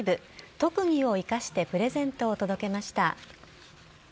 特技を生かしてプレゼントを届けました。